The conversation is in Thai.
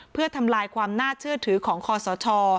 เพื่อทำลายความน่าเชื่อถือของคอสช